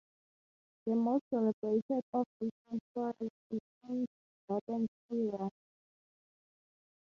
The most celebrated of these sanctuaries is in Northern Syria.